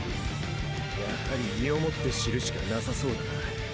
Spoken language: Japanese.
やはり身をもって知るしかなさそうだな。